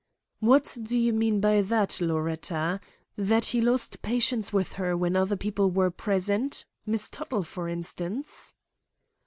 "What do you mean by that, Loretta; that he lost patience with her when other people were present—Miss Tuttle, for instance?"